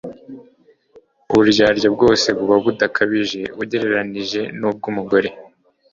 uburyarya bwose buba budakabije ugereranije n'ubw'umugore